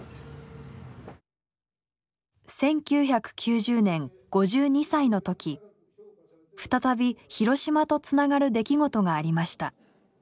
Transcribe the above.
１９９０年５２歳のとき再び広島とつながる出来事がありました。